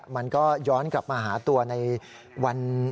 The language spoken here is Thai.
มันก็ย้อนกลับมาหาตัวในวัน